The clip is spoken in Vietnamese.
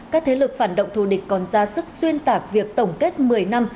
các thế lực phản động thù địch còn ra sức xuyên tạc việc tổng kết một mươi năm